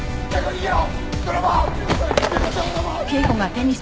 逃げろ！